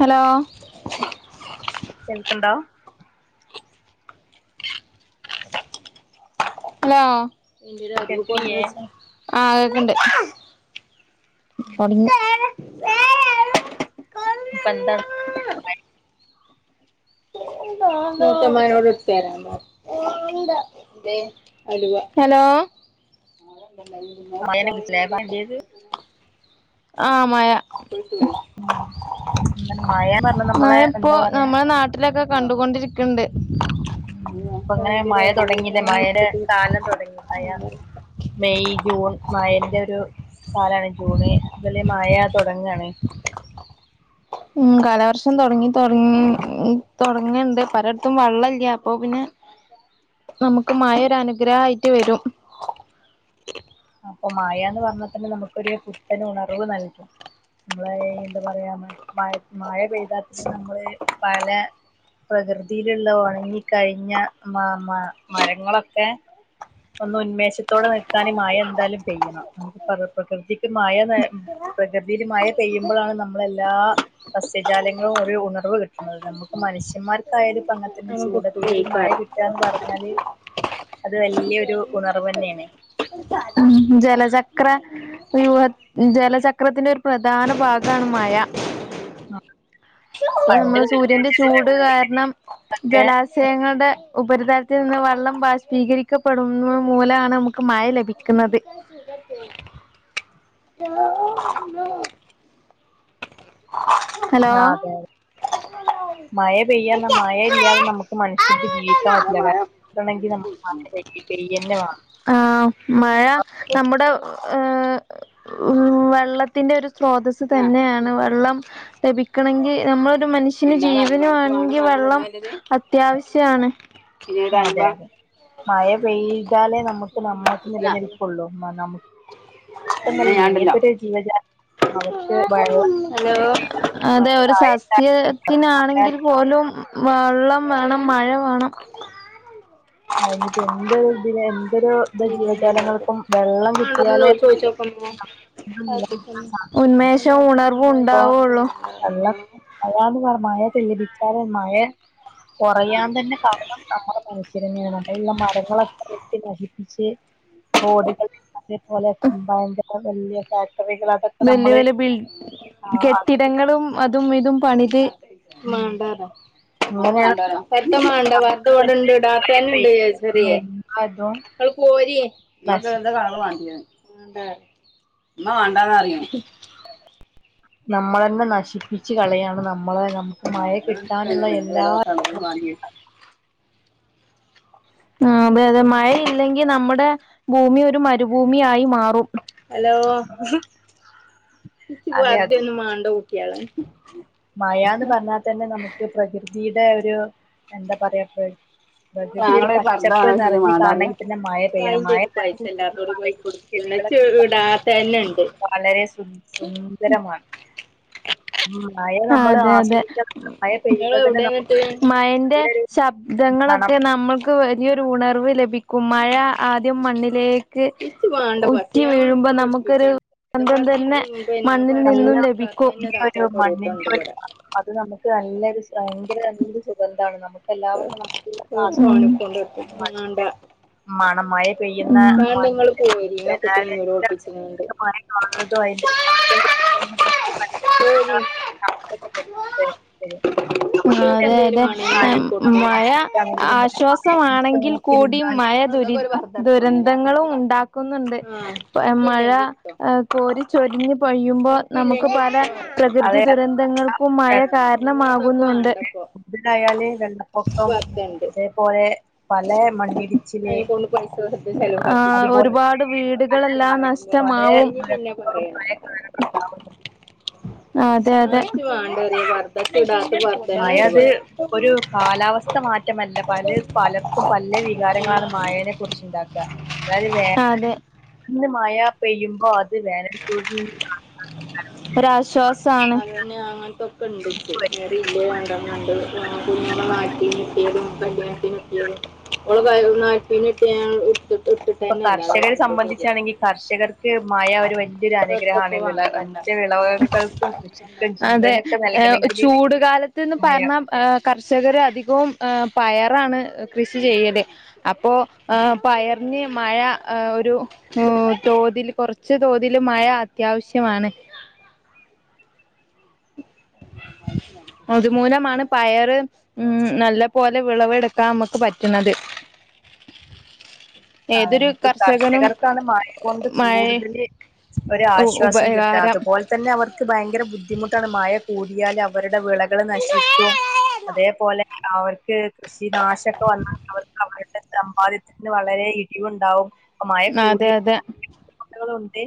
Hello കേൾക്ക്ണ്ടോ hello കേൾക്കണില്ലേ ആഹ് കേക്ക്ണ്ട് തൊട്ങ്ങി [unintelligible] ന്ന് പെന്താണ് മൂത്തമ്മാനോട് ഇട്ത്തെരാം പറയ് ഹലുവ ഹലോ മഴെന് കുറിച്ലേ പറയേണ്ടത് ആഹ് മഴാ ന്താണ് മഴാന്ന് പർഞ്ഞ നമ്മളെ എന്താ പറയാ ട്ടിലൊക്കെ കണ്ടുകൊണ്ടിരിക്ക്ണ്ട് ഉം ഇപ്പൊ ഇങ്ങനെ അയിന്റൊരു മഴ തൊടങ്ങില്ലേ അരുവ് മഴെടെ എടുത്തിട്ട് കാലം തൊടങ്ങി മഴ മെയ്, ജൂൺ മഴെന്റെ ഒരു കാലാണ് ജൂണ് ഇഞ്ഞുതല് മഴ തൊടങ്ങാണ് ഉം കാലവർഷം തൊടങ്ങി തൊട്ങ്ങ് തൊടങ്ങ്ണ്ട് പലെട്ത്തും വള്ളല്ല്യ അപ്പൊ പിന്നെ [inaudible] നമ്ക്ക് മഴ ഒരു അനുഗ്രഹായിറ്റ് വെരും അപ്പൊ മഴാന്ന് പറഞ്ഞാതന്നെ നമ്ക്കൊര് പുത്തൻ ഉണർവ് നൽകും നമ്മള് ഈ എന്താ പറയാ മ മഴ് മഴ പെയ്താ തന്നെ നമ്മ്ള് പലെ പ്രകൃതിയ്ല്ള്ള ഒണങ്ങി കഴിഞ്ഞ മ മ മരങ്ങളൊക്കെ ഒന്ന് ഉന്മേഷത്തോടെ ന്ന്ക്കാന് മഴ എന്തായാലും പെയ്യണം നമുക്ക് പ്രകൃ പ്രകൃതിക്ക് മഴ വേ ഉം പ്രകൃതില് മഴ പെയ്യ്മ്പഴാണ് നമ്മ്ള് എല്ലാ സസ്യജാലങ്ങളും ഒരു ഉണർവ് ക് ട്ട്ണത് നമ്മക്ക് മനുഷ്യന്മാർക്കായാലും ഇപ്പങ്ങനത്തന്നെ അതിനെ കിട്ടും ചൂടത്ത് ഒരു മഴ ജയിക്കാറ് കി ട്ടാന്ന് പറഞ്ഞാല് അത് വല്യൊരു ഉണർവെന്നേണ് ഉം ഉം ജലചക്ര വ്യൂഹ ജലചക്രത്തിന്റെ ഒരു പ്രധാന ഭാഗാണ് മഴ ആഹ് പ്പൊ നമ്മ്ള് സൂര്യന്റെ ചൂട് കാരണം ഒക്കെ ജലാ ശയങ്ങൾടെ ഉപരിതലത്തിൽ നിന്ന് വെള്ളം ബാഷ്പീകരിക്കപ്പെടുന്നത് മൂലാണ് നമുക്ക് മഴ ലഭി ക്ക്ണത് [unintelligible] അ ആഹ് അതെ അതെ മഴ പെയ്യാർഞ്ഞ മഴ ഇല്ല്യാതെ നമുക്ക് മനുഷ്യർക്ക് ജീവിക്കാൻ പറ്റ്ല്ല വെ മഴ കിട്ടണെങ്കി നമ്മക്ക് മഴ പെയ്യ് പെയ്യെന്നെ വേണം ആഹ് മഴ നമ്മുടെ ഏഹ് ഉം ഹും വെള്ളത്തിന്റെ ഒരു സ്രോതസ്സ് തന്നെയാണ് വെള്ളം ലഭിക്കണെങ്കി നമ്മളൊരു മനുഷ്യന് ജീവന് വാണെങ്കി വെള്ളം അത്യാവശ്യാണ് ജീവിത അൻ അതെ [unintelligible] അതെ മഴ പെയ്താലേ ഞമ്മക്ക് നമ്മക്ക് നിലനിൽപ്പൊള്ളൂ മ നമ് ക്കെന്നെല്ല എതൊരു ജീവജാ ഹലോ, അതെ ഒരു സസ്യ ത്തിനാണെങ്കിൽ പോലും വള്ളം വേണം മഴ വേണം അയിഞ്ഞിപ്പോ എന്തൊരു ഇതിലെ എന്തൊരു ത് ജീവജാലങ്ങൾക്കും വെള്ളം കിട്ടിയാലേ അഹ് [unintelligible] ഉന്മേഷോം ഉണർവും ണ്ടാവോള്ളു അല്ല മഴാന്ന് [unintelligible] മഴ പെയ്യിപ്പിച്ചാലേ മഴ കൊറയാൻ തന്നെ കാരണം നമ്മള് മനുഷ്യരെന്നെ ആണ് [unintelligible] പ്പം മരങ്ങളൊക്കെ വെട്ടി നശിപ്പിച്ച് റോഡിന്റെ [unintelligible] ഭയങ്കര വല്ല്യ ഫാക്ടറികളാ ബല്യ വല്യ ബിൽ അത് കെട്ടിടങ്ങളും അതും ഇതും പണിത് ഉം മാണ്ടാ റയ് മ്മാക്ക് അങ്ങനെയാണ് വാണ്ടേലോ പർദ്ദ മാണ്ട പർദ്ദ വടണ്ട് തന്നെ മഴ ഡാത്തെന്നെണ്ട് [unintelligible] പെയ്യുന്നതും ങ്ങള് പോരി ങ്ങക്ക് നശിക്കും എന്താ കളറ് വാണ്ട്യെ വാണ്ടെ ന്നാ വാണ്ടന്നറിയണം. നമ്മളെന്നെ നശിപ്പിച്ച് കളയാണ് നമ്മള് നമുക്ക് മഴ കിട്ടാനുള്ള എല്ലാ [unintelligible] ആഹ് അതെ അതെ മഴയില്ലെങ്കി നമ്മുടെ ഭൂമി ഒരു മരുഭൂമി ആയി മാറും. ഹലോ ഇക്കി അതെ പർദ്ദയൊന്നും മാണ്ട കുട്ട്യളെ മഴാന്ന് പറഞ്ഞാ തന്നെ നമുക്ക് പ്രകൃതീടെ ഒരു എന്താ പറയാ പ്പത് പ്രകൃതി ഒരു ആങ്ങളെ പച്ചപ്പ് പർദ്ദാണോ വെച്ചിട്ട് നിറഞ്ഞ് മാണ്ടാറിയ കാണെങ്കി തന്നെ മഴ പെയ്യണം മഴ [unintelligible] പിന്ന ച്ടാത്തന്നെ ണ്ട്. വളരെ സു സുന്ദരമാണ് ഉ മഴ നമ്മള് ആസ്വദിക്ക. ങ്ങളെ വ്ടെ ന്നിട്ട് മയന്റെ നല്ലൊരു മണം ശബ്ദങ്ങളൊക്കെ നമ്മൾ ക്ക് വലിയൊരു ഉണർവ് ലഭിക്കും മഴ ആദ്യം മണ്ണിലേക്ക് ഇച്ച് വാണ്ട പർ റ്റി വീഴുമ്പോ നമുക്കൊരു സ്വന്തം തന്നെ.... മണ്ണിൽ നിന്നും നല്ല ലഭിക്കും. ഈ ഒരു താത്താക്കൊരൂട്ടം മണ്ണിന്റെ ണ്ട് ഒരു വടെ മണം അത് നമുക്ക് നല്ലൊരു ശ് ഭയങ്കര നല്ലൊരു സുഗന്ധാണ് നമുക്ക് പ്പല്ലാവർക്കും ഫോണിൽ കൊണ്ട് വെക്കും വേണ്ട [unintelligible] മണം മഴ പെയ്യുന്ന വേണ്ട ഇങ്ങള് പോരി ആ കുട്ടീനെ ഇന്നോട് ഒളിപ്പിച്ചിങ്ങാണ്ട് [unintelligible] ശരി എന്തെങ്കിലും ആഹ് അതെ അതെ. ഒരു കാര്യത്തിൽ [unintelligible] നമ്മൾ മഴ അസ്വസ്ഥാണെങ്കിലും ഒരു മഴയൊക്കെ ആശ്വാസമാണെങ്കിൽ നോക്കി കൂടി മ നിന്നാല് ഴ ദുരി ദുരന്തങ്ങളും ഉണ്ടാക്കുന്നുണ്ട് വേ മഴ ഏ കോരി ചൊരിഞ്ഞ് പെയ്യുമ്പോ നമുക്ക് പല പ്രകൃതി അത് ദുരന്തങ്ങൾക്കും മഴ കാരണമാകുന്നുണ്ട്. [unintelligible] ഒക്കം വർധണ്ട് തേപോലെ പലേ മണ്ണിടിച്ചില് അയിന കൊണ്ടു പഠിക്കോല് ആഹ് അതുപോലെ പല ഒരുപാട് വീടുകളെല്ലാം പല നഷ്ടമാവും. ദുരന്തങ്ങളും [unintelligible] ആഹ്അതെ അതെ. ത്ത മാറ്റമല്ല പല പലർക്കും പല വികാരങ്ങളാണ് മയേനെ കുറിച്ച്ണ്ടാക്ക അതായത് അതെ [unintelligible] ന്ന് മഴ പെയ്യുമ്പോ അത് വേനൽ ചൂടിന് ഒരാശ്വാസാണ്. അതെന്നാ [unintelligible] ക്കണ്ട് ക്ക് [unintelligible] കല്യാൺത്തിന് കിട്ടിയതും ഓള് [unintelligible] ഇപ്പ കർഷകരെ സംബന്ധിച്ചാണെങ്കി കർഷകർക്ക് മഴ ഒരു വൽ ല്യൊരു വെറുതെപ്പോ അനുഗ്രഹാണ് വിള വാങ്ങണ്ട [unintelligible] വിളവക്കൾക്കും കൃഷിക്കും ജീവനൊക്കെ നൽകണങ്കില്..... ത്തൊന്നും [unintelligible] ഏ കർഷകര് അധികവുംഎഹ് പയറാണ് കൃഷി ചെയ്യല് അപ്പോ പയർ... ഞ് മയ എഹ് ഒരു തോതിൽ കുറച്ച് തോ തില് മയ അത്യാവശ്യമാണ്...... [inaudible] അതുമൂലമാണ് പയറ്.... ഉം നല്ല പോലെ വിളവെടുക്കാ മ്മക്ക് പറ്റുന്നത്.. ഏതൊരു അതന്നെ പ് കർഷകനും കർഷകർക്കാന്ന് മയ കൊണ്ട് മഴ കൂടുതല്..... ഒരാശ്വാസം കിട്ട ഉപകാരം അതുപോലെ തന്നെ അവർക്ക് ഭയങ്കര ബുദ്ധിമുട്ടാണ് മയ കൂടിയാല... വരുടെ വിളകള് നശിക്കും അതേപോലെ..... അവർക്ക് കൃഷിനാശൊക്കെ വന്നാ അവർക്ക് അവരുടെ സമ്പാദ്യത്തിന് വളരെ..... ഴിവുണ്ടാവും അ മയ കൂ അതെ അതെ [unintelligible] ണ്ട്.....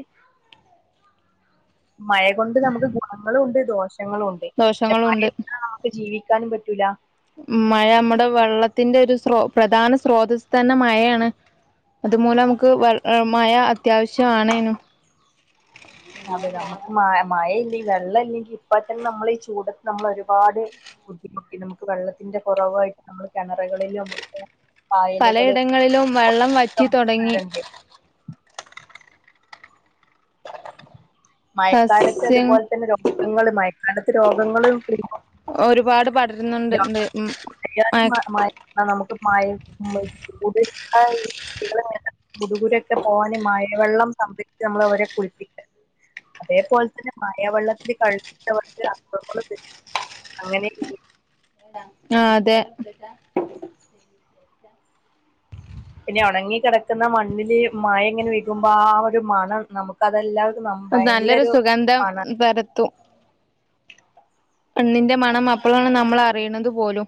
മയ കൊണ്ട് നമുക്ക് ഗുണങ്ങളുണ്ട് ദോഷങ്ങളു ദോഷങ്ങളുണ്ട് ക്ക് ജീവിക്കാനും പറ്റൂല മയ മ്മടെ വെള്ളത്തിന്റെ ഒരു സ്രോ പ്രധാന സ്രോതസ് തന്നെ മയയാണ് അതുമൂലം അമക്ക് വ മഴ അത്യാവശ്യാണേനു അതെ നമുക്ക് മയ മയയില്ലെങ്കി വെള്ളം ഇല്ലെങ്കി ഇപ്പ തന്നെ നമ്മളീ ചൂടത്ത് നമ്മളോരുപാട് ബുദ്ധിമുട്ടി നമുക്ക് വെള്ളത്തിന്റെ കുറവായിട്ട് നമ്മള് കിണറകിലും ഒക്കെ പായലുകള് പലയിടങ്ങളിലും വെള്ളം വറ്റി [unintelligible] തുടങ്ങി റുണ്ട് മഴക്കാലത്ത് സസ്യം അതുപോലെ തന്നെ രോഗങ്ങള് മഴക്കാലത്ത് രോഗങ്ങള് കൂടുബോ ഒരുപാട് പടരുന്നുണ്ട്ണ്ട് ഉം മയ ആഹ് നമുക്ക് മയ ചൂട്‌ അയി പിന്നെ ഗുതുഗുലൊക്കെ പോവാന് മയവെള്ളം സംഭരിച്ച് നമ്മളവരെ കുളിപ്പിക്ക അതേപോലെ തന്നെ മായവെള്ളത്തില് കളിച്ചിട്ട് അവർക്ക് അസുഖങ്ങളു വരും അങ്ങനെ [unintelligible] ആഹ് അതെ പിന്നെ ഉണങ്ങി കിടക്ക്ന്ന മണ്ണില് മയ ഇങ്ങനെ വെയ്കുമ്പോ ആ ഒരു മണം നമു അതെല്ലാവരു നബ വയൽനൊരു മണ വരത്തും മണ്ണിന്റെ മണം അപ്പോളാണ് നമ്മള് അറിയണത് പോലും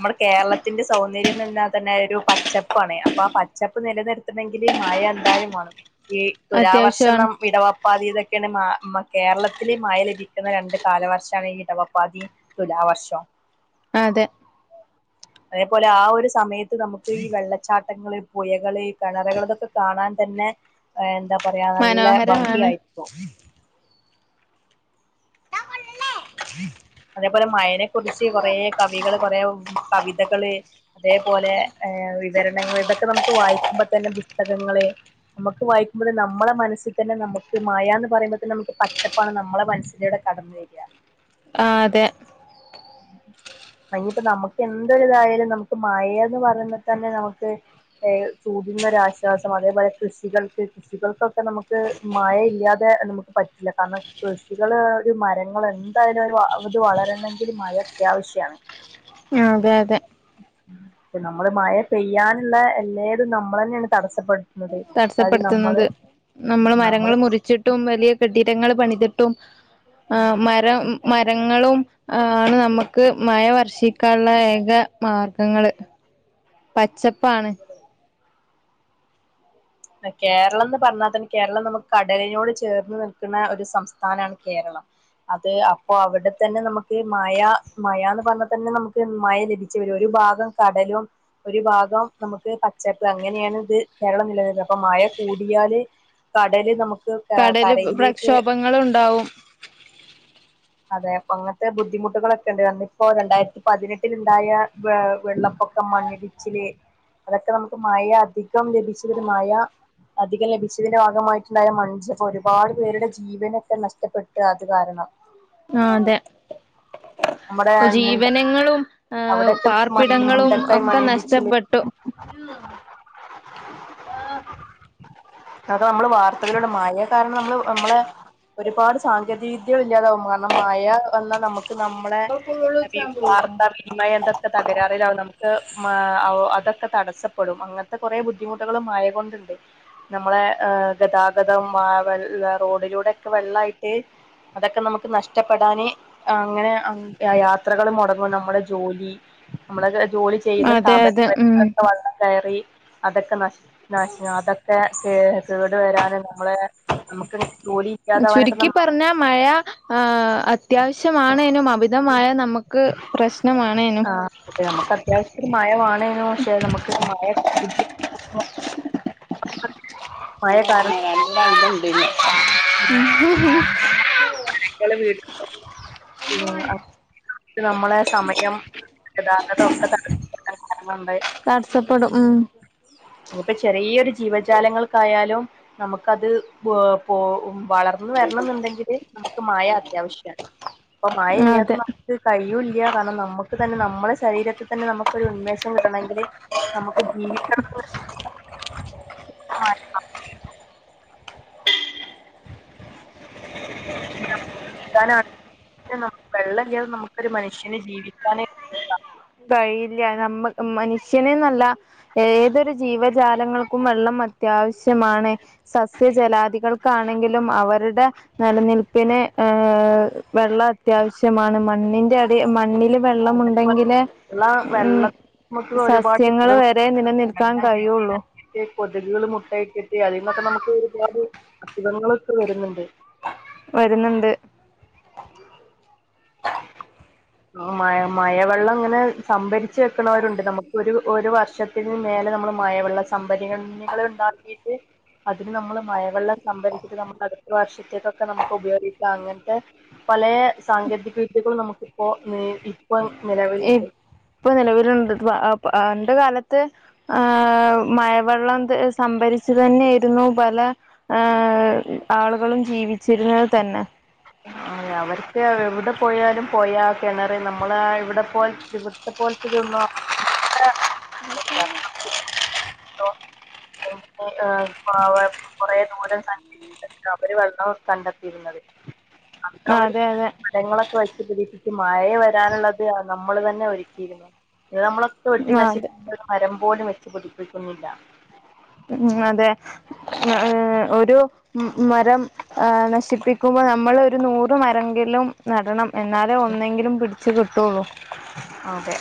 മ്മടെ കേരളത്തിന്റെ സൗന്ദര്യം തന്നെ അതന്നെ ഒരു പച്ചപ്പാണ് അപ്പൊ ആഹ് പച്ചപ്പ് നിലനിർ ത്തണങ്കില് മയ എന്തായാലും വേണം ഈ തുലാ വർഷം ന അത്യാവശ്യമാണ് ഇടവം പ്പാതി ഇതൊക്കെയാണ് മ കേരളത്തില് മയ ലഭിക്കുന്ന രണ്ട് കാലവർഷാണ് ഈ ഇടവപ്പാതി തുലാ വർഷം ആഹ് അതെ അതേപോലെ ആ ഒരു സമയത്ത് നമുക്ക് ഈ വെള്ളച്ചാട്ടങ്ങള് പുയകള് കിണറകൾക്കൊക്കെ കാണാൻ തന്നെ എന്താ പറയാ നല്ല മനോഹരമാണ് ഭംഗിയായി ടാ കൊല്ലല്ലേ അതേപോലെ മയനെ കുറിച്ച് കൊറേ കവികള് കൊറേ കവിതകള് അതേപോലെ വിവരണങ്ങള് ഇതൊക്കെ നമുക്ക് വായിക്കുമ്പോ തന്നെ പുസ്തകങ്ങള് നമുക്ക് വായിക്കുമ്പോ നമ്മളെ മനസി തന്നെ നമുക്ക് മയ എന്ന് പറയുമ്പോ തന്നെ നമുക്ക് പച്ചപ്പാണ് നമ്മള മനസ്സിലൂടെ കട വര ആഹ് അതെ അയ്നിപ്പ നമുക്ക് എന്തൊരിതായാലും നമുക്ക് മയന്ന് പറയുന്നമ്പോ തന്നെ നമുക്ക് ഏഹ് ചൂടുന്നൊരാശ്വാസം അതേപോലെ കൃഷികൾക്ക് കൃഷികൾക്കൊക്കെ നമുക്ക് മഴ ഇല്ലാതെ നമുക്ക് പറ്റില്ല കാരണം കൃഷികള് ഒരു മരങ്ങള ഇത് വളരണമെങ്കിൽ മഴ അത്യാവശ്യമാണ് ആഹ് അതെ അതെ നമ്മള് മഴ പെയ്യാനുള്ള എല്ലേലും നമ്മള് തന്നെയാണ് തടസ്സപ്പെടു തടസ്സപ്പെടുത്തുന്നത് നമ്മള് നമ്മൾ മരങ്ങള് മുറിച്ചി ട്ടും വലിയ കെട്ടിരങ്ങൾ പണിതിട്ടും ആഹ് മര മരങ്ങളും ആഹ് ആണ് നമ്മുക്ക് മഴ വർഷിക്കാനുള്ള ഏക മാർഗങ്ങള് പച്ചപ്പാണ് കേരളം എന്ന് പറഞ്ഞാൽ തന്നെ കേരളം ന് പറഞാല് നമുക്ക് കടലിനോട് ചേർന്ന് നിൽക്കുന്ന ഒരു സംസ്ഥാനമാണ് കേരളം അത് അപ്പൊ അവിടെത്തന്നെ നമുക്ക് മഴ മഴ എന്ന് പറഞ്ഞാൽ തന്നെ നമുക്ക് മഴ ലഭിക്കും ഒരു ഭാഗം കടലും ഒരു ഭാഗം നമുക്ക് പച്ചപ്പും അങ്ങനെയാണ് ഇത് കേരളം നിലനി അപ്പൊ മഴ കൂടിയാല് കടല് നമുക്ക് കടല് കരയിലേക്ക് പ്രക്ഷോഭങ്ങളും ഉണ്ടാവും അതെ അപ്പൊ അങ്ങനത്തെ ബുദ്ധിമുട്ടുകളൊക്കെ ഉണ്ട് വന്നിപ്പോ രണ്ടായിരത്തി പതിനെട്ടില് ഇണ്ടായ വ വെള്ളപ്പൊക്കം മണ്ണിടിച്ചില് അതൊക്കെ നമുക്ക് മഴ അധികം ലഭിച്ചതൊരു മയ ഉം അധികം ലഭിച്ചതിന്റെ ഭാഗമായിട്ടുണ്ടായ മൺജപ്പ് ഒരുപാട് പേരുടെ ജീവനൊക്കെ നഷ്ടപ്പെട്ടു അത് കാരണം ആഹ് അതെ നമ്മുടെ മുണ്ട ജീവനങ്ങളും ആഹ് അവിടെയൊക്കെ മണ്ണ് പാർപ്പിടങ്ങളും മുണ്ടക്കായി ഒക്കെ മണ്ണിടിച്ചില് നഷ്ടപ്പെ ട്ടു ആഹ് അത് നമ്മള് വാർത്തകളൂടെ മഴ കാരണം നമ്മള് നമ്മളെ ഒരുപാട് സാങ്കേതിക വിദ്യകള് ഇല്ലാതാവും കാരണം മയ വന്നാ നമ് ക്ക് നമ്മളെ ഇപ്പൊ ഫുള്ള് ച്ചാൻ [unintelligible] പോവോ വാർത്ത വി മയൊക്കെ തകരാറിലാവും നമുക്ക് മമ് അതൊക്കെ തടസ്സപ്പെടും അങ്ങന് ത്തെ കൊറേ ബുദ്ധിമുട്ടുകളും മയകൊണ്ടിണ്ട് നമ്മളെ ആഹ് ഗതാഗതം വെ റോഡിലൂടെക്കെ വെള്ളായിട്ട് അതക്കെ നമക്ക് നഷ്ടപ്പെടാന് അങ്ങനെ യാത്രകൾ മൊടങ്ങും നമ്മടെ ജോലി നമ്മളെ ജോലി ചെയ്യുന്ന അതെ അതെ ഉം സ്ഥാപനങ്ങളിലൊക്കെ വെള്ളം കയറി അതൊക്കെ നഷ് നഷ് അതൊക്കെ കേ കേടു വരാന് നമ്മളെ നമുക്ക്ങ്ങനെ ജോലി ഇല്ലാതാവാനൊക്കെ ചുരുക്കി നമ്മ പറഞ്ഞ മഴ ഏഹ് അത്യാവശ്യമാണേനു അമിത മിതമായ നമുക്ക് പ്രശ്നമാണേനും നമുക്ക് അത്യാവശ്യം ഒരു മയവേണേനു പക്ഷെ നമുക്ക് മയ മഴ കാരണം [unintelligible] [inaudible] നമ്മളെ സമയം ഗതാഗതൊ ഒക്കെ തടസ [unintelligible] തടസ്സപ്പെടും ഉം അതിപ്പൊ ചെറിയൊരു ജീവജാലങ്ങൾക്കായാലും നമക്കത് പോ പേ വളർ ന്ന് വരണംന്നുണ്ടെങ്കില് നമുക്ക് മയ അത്യാവശ്യാണ് അപ്പ മഴ അതെ ഇല്ലാതെ കഴിയൂല്ല കാരണം നമുക്ക് തന്നെ നമ്മളെ ശരീരത്തിതന്നെ നമുക്കൊരു ഉന്മേഷം കിട്ടണെങ്കില്. നമക്ക് ജീവിക്ക [inaudible] [unintelligible] വെള്ളില്ലാതെ നമുക്കൊരു മനുഷ്യന് ജീവിക്കാന് കഴിയില്ല നമ്മ മനുഷ്യന്ന്നല്ല ഏതൊരു ജീവജാലങ്ങൾക്കും വെള്ളം അത്യാവശ്യമാണ്. സസ്യജലാദികൾക്കാണെങ്കിലും അവര്ടെ നെലനിൽപ്പിന് ഏഹ് വെള്ളം അത്യാവശ്യമാണ് മണ്ണിന്റെഅടി മണ്ണിലും. വെള്ളം ഉണ്ടെങ്കിലെ ന്ന വെള്ളം നമക്ക് ഒരുപാട് സസ്യങ്ങള് വരെ നിലനിൽക്കാൻ കഴിയുള്ളൂ [unintelligible] കൊതുകൾ മുട്ടയെക്കിട്ടെ അതീന്നൊക്കെ നമുക്ക് ഒരുപാട് അസുഖങ്ങളൊക്കെ വരുന്നുണ്ട്. വരുന്ന്ണ്ട്. മ മഴവെള്ളം ഇങ്ങനെ സംഭരിച്ച് വെക്കണോരുണ്ട്. നമുക്ക് ഒരു ഒരു വർഷത്തെ ത്തിന് മേലെ നമ്മള് മഴവെള്ള സംഭരണികള് ഇണ്ടാക്കീട്ട്. അതിന് നമ്മള് മഴവെള്ളം സംഭരിച്ചിട്ട് നമ്മക്ക് അടുത്ത വർഷത്തേക്കൊക്കെ നമുക്ക് ഉപയോഗിക്കാം അങ്ങനത്തെ പലേ സാങ്കേതികവിദ്യകളും നമുക്കിപ്പോ ഇപ്പം നിലവിലുണ്ട്. ഇപ്പൊ നിലവിലുണ്ട്. ആ പണ്ട് കാലത്ത്. ആഹ് മഴവെള്ളം സംഭരിച്ചു തന്നേരുന്നു പല ആഹ് ആളുകളും ജീവിച്ചിരുന്നത് തന്നെ. അവരൊക്കെ എവടെ പോയാലും പൊയാ കെണറ് നമ്മള് ഇവിടെ പോല് പോല്ത്തിതന്നൊ [inaudible] ആ വ കൊറേ ദൂരം സഞ്ചരിച്ച്. അവര് വെള്ളം കണ്ടെത്തിയിരുന്നത്. അന്ന് ആ അവര് അതെ അതെ മരങ്ങളൊക്കെ വെച്ച് പിടിപ്പിച്ച് മഴ വരാനുള്ളത് നമ്മൾ തന്നെ ഒരുക്കിയിരുന്നു. ഇത് നമ്മള് വെട്ടി ആഹ് അതെ നശിപ്പിക്കുന്ന മരം പോലും വെച്ച് പിടിപ്പിക്കുന്നില്ല. ഉം അതെ ഒരു മരം ആ നശിപ്പിക്കുമ്പോൾ നമ്മള് ഒരു നൂറ് റ് മരം എങ്കിലും നടണം എന്നാലേ ഒന്നെങ്കിലും പിടിച്ചു കിട്ടോള്ളു. അതെ